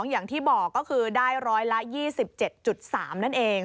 อย่างที่บอกก็คือได้ร้อยละ๒๗๓นั่นเอง